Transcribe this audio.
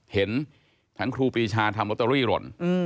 เห็นทั้งครูปรีชาทำลอตเตอรี่หล่น